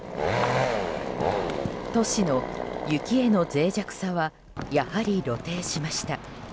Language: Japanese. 都市の雪への脆弱さはやはり露呈しました。